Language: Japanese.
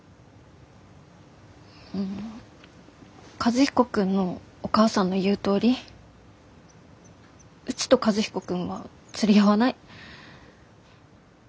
ん和彦君のお母さんの言うとおりうちと和彦君は釣り合わない。